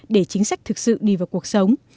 để chính sách thực sự đi vào cuộc sống